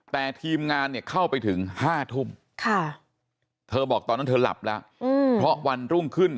แต่ทีมงานเนี่ยเข้าไปถึง๕ทุ่มเธอบอกตอนนั้นเธอหลับแล้วเพราะวันรุ่งขึ้น